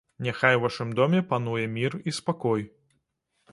Няхай у вашым доме пануе мір і спакой.